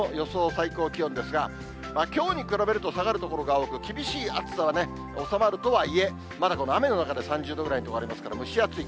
最高気温ですが、きょうに比べると下がる所が多く、厳しい暑さはね、収まるとはいえ、まだこの雨の中で３０度くらいとありますから、蒸し暑い。